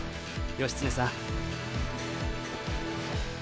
義経さん。